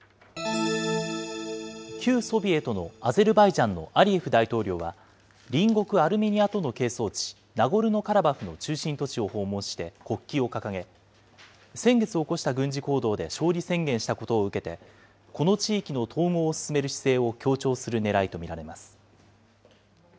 旧ソビエトのアゼルバイジャンのアリエフ大統領は隣国アルメニアとの係争地、ナゴルノカラバフの中心都市を訪問して国旗を掲げ、先月起こした軍事行動で勝利宣言したことを受けて、この地域の統合を進める姿勢を強調するねらいと見られます。